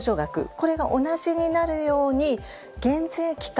これが同じになるように減税期間